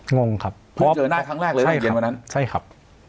งงครับเพิ่งเจอหน้าครั้งแรกเลยใช่เย็นวันนั้นใช่ครับ